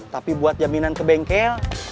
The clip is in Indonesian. tapi buat jaminan ke bengkel